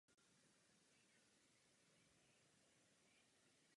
S ním nazpívala i některé duety.